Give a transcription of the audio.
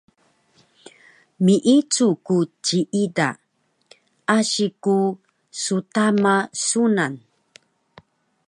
Miicu ku ciida, asi ku stama sunan